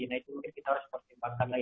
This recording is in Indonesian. nah itu mungkin kita harus pertimbangkan lagi